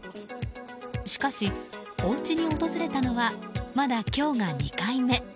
しかし、おうちに訪れたのはまだ今日が２回目。